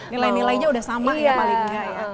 nilai nilainya udah sama ya palingnya ya